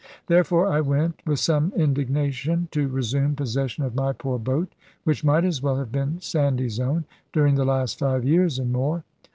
Therefore I went, with some indignation, to resume possession of my poor boat, which might as well have been Sandy's own, during the last five years and more.